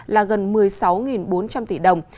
là gần một mươi sáu bốn trăm linh tỷ đồng